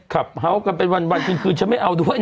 ขับเฮาท์กันเป็นวันวันคืนคืนฉันไม่เอาด้วยนะเธอ